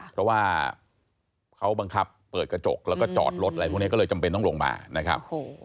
เพราะว่าเขาบังคับเปิดกระจกแล้วก็จอดรถอะไรพวกนี้ก็เลยจำเป็นต้องลงมานะครับ